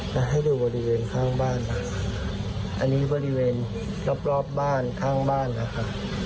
แล้วให้ดูบริเวณข้างบ้านอันนี้บริเวณรอบรอบบ้านข้างบ้านนะคะ